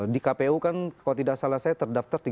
di kpu kan kalau tidak salah saya terdaftar tiga puluh empat